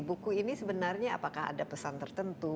buku ini sebenarnya apakah ada pesan tertentu